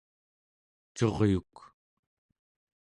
Curyuk